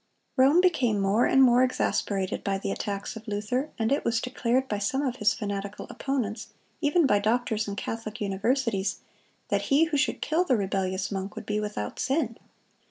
Rome became more and more exasperated by the attacks of Luther, and it was declared by some of his fanatical opponents, even by doctors in Catholic universities, that he who should kill the rebellious monk would be without sin.